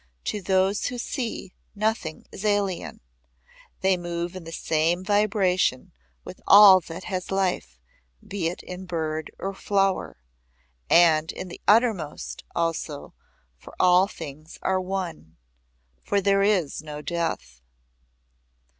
"To those who see, nothing is alien. They move in the same vibration with all that has life, be it in bird or flower. And in the Uttermost also, for all things are One. For such there is no death."